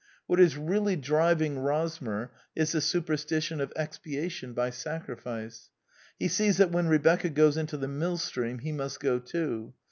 What is really driving Rosmer is the superstition of expiation by sacrifice. He sees that when Rebecca goes into the millstream he must go too.